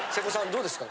どうですか？